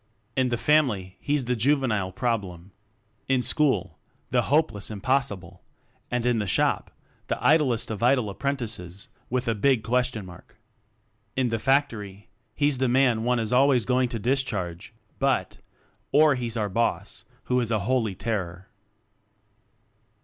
In the family he's the juvenile "problem"; in school, the hopeless im possible! and in the shop, the idlest of idle apprentices (with a big ?). In the factory, he's the man one is always going to discharge, but ... Or he's our Boss, who is "a Holy Ter kror."